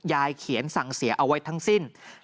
ยายเขียนสั่งเสียเอาไว้ทั้งสิ้น